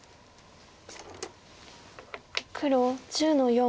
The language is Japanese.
黒１０の四。